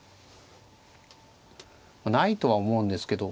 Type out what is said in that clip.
ないとは思うんですけど